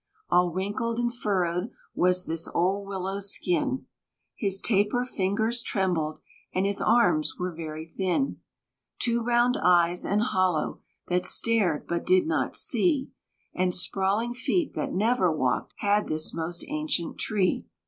All wrinkled and furrowed was this old Willow's skin, His taper fingers trembled, and his arms were very thin; Two round eyes and hollow, that stared but did not see, And sprawling feet that never walked, had this most ancient tree.